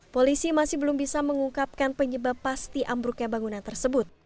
polisi masih belum bisa mengungkapkan penyebab pasti ambruknya bangunan tersebut